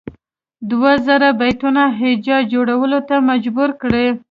دوه زره بیتونو هجا جوړولو ته مجبور کړي.